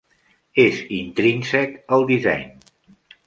És intrínsec al disseny.